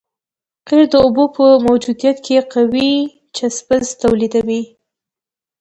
قیر د اوبو په موجودیت کې قوي چسپش تولیدوي